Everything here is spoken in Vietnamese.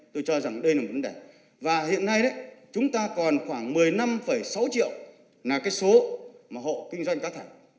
tôi cho rằng đây là vấn đề và hiện nay chúng ta còn khoảng một mươi năm sáu triệu là số hộ kinh doanh các thành